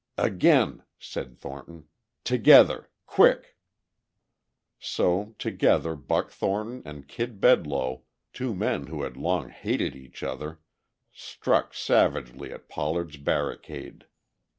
"Again," said Thornton. "Together!... Quick!" So together Buck Thornton and Kid Bedloe, two men who had long hated each other, struck savagely at Pollard's barricade.